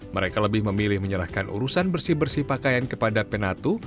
mereka lebih memilih menyerahkan urusan bersih bersih pakaian kepada penatu